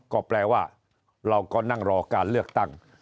ก็แปลว่าเราก็นั่งรอการเลือกตั้ง